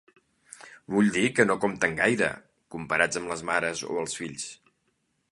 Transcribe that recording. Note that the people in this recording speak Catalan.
Vull dir que no compten gaire, comparats amb les mares o els fills.